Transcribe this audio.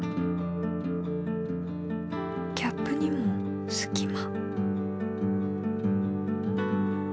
キャップにもすき間。